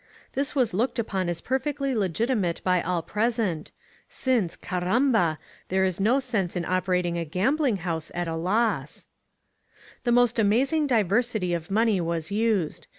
This was looked upon as perfectly legitimate by all present, since, carrambal, there is no sense in operating a gambling house at a loss! 282 EL COSMOPOLITA The most amazing diversity of money was used.